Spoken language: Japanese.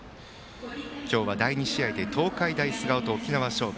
今日は第２試合で東海大菅生と沖縄尚学。